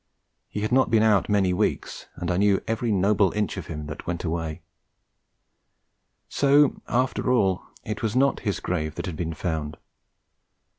He had not been out many weeks, and I knew every noble inch of him that went away. So, after all, it was not his grave that had been found!